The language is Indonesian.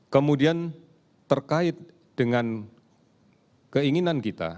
kemudian terkait dengan keinginan kita